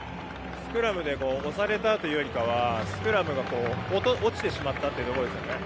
スクラムで押されたというよりはスクラムが落ちてしまったということですね。